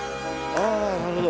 あなるほど。